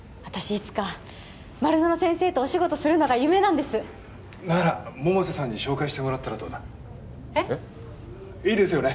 いつか丸園先生とお仕事するのが夢なんですなら百瀬さんに紹介してもらったらどうだ？えっ？いいですよね？